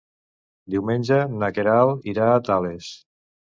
Diumenge na Queralt irà a Tales.